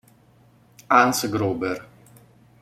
Hans Gruber